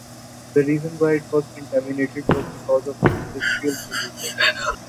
The reason why it was contaminated was because of industrial polluters.